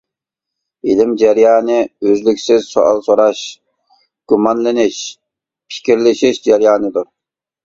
ئىلىم جەريانى ئۈزلۈكسىز سوئال سوراش، گۇمانلىنىش، پىكىرلىشىش جەريانىدۇر.